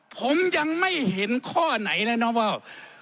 ผมยังไม่เห็นข้อไหนเลยนะว่า